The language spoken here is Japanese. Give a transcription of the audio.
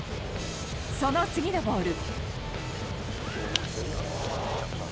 その次のボール。